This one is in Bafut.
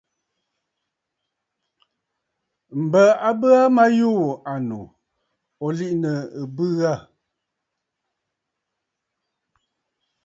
M̀bə a bə aa ma yû ànnù, nɨ̀ liꞌìnə̀ ɨ̀bɨ̂ ghâ.